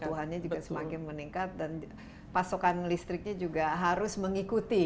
kebutuhannya juga semakin meningkat dan pasokan listriknya juga harus mengikuti